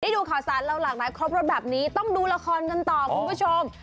ที่ดูข่าวสารเล่าหลักนะครบรอบแบบนี้ต้องดูละครกันต่อคุณผู้ชม